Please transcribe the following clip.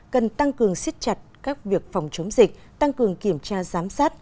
cần tăng cường xích chặt các việc phòng chống dịch tăng cường kiểm tra giám sát